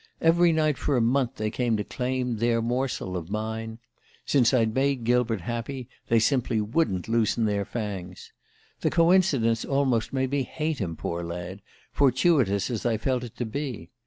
Every night for a month they came to claim their morsel of mine: since I'd made Gilbert happy they simply wouldn't loosen their fangs. The coincidence almost made me hate him, poor lad, fortuitous as I felt it to be.